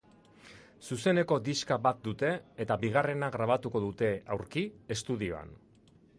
Zuzeneko diska bat dute eta bigarrena grabatuko dute, aurki, estudioan.